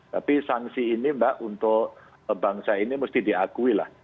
tapi sanksi ini mbak untuk bangsa ini mesti diakui lah